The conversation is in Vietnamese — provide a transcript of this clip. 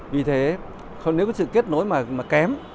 vì thế nếu có sự kết nối mà kém